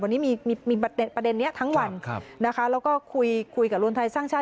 วันนี้มีประเด็นนี้ทั้งวันนะคะแล้วก็คุยคุยกับรวมไทยสร้างชาติ